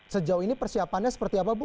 sejauh ini persiapannya seperti apa bu